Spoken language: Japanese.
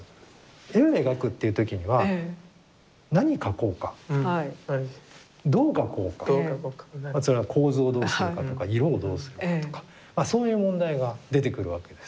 絵を描くっていう時には何描こうかどう描こうか構図をどうするとか色をどうするかとかそういう問題が出てくるわけです。